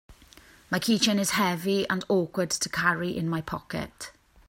My keychain is heavy and awkward to carry in my pocket.